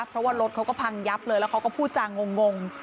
เพราะว่ารถเขาก็พังยับเลยแล้วเขาก็พูดจางง